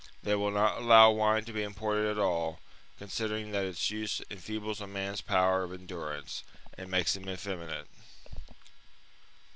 They will not allow wine to be imported at all, considering that its use enfeebles a man's power of endurance and makes him effeminate.